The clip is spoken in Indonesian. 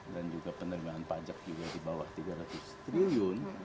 dan juga penerimaan pajak juga di bawah tiga ratus triliun